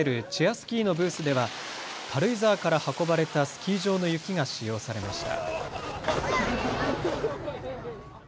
スキーのブースでは軽井沢から運ばれたスキー場の雪が使用されました。